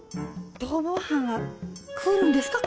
逃亡犯が来るんですか？